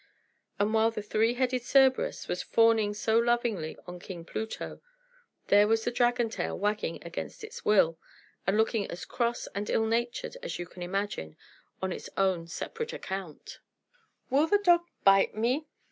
And while the three headed Cerberus was fawning so lovingly on King Pluto, there was the dragon tail wagging against its will, and looking as cross and ill natured as you can imagine, on its own separate account. "Will the dog bite me?"